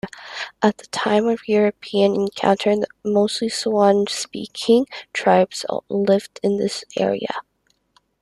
At the time of European encounter, mostly Siouan-speaking tribes lived in this area.